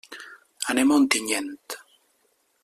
Anem a Ontinyent.